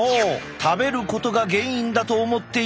食べることが原因だと思っている人が多い。